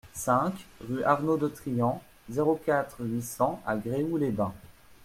cinq rue Arnaud de Trian, zéro quatre, huit cents à Gréoux-les-Bains